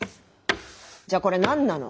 じゃあこれ何なの。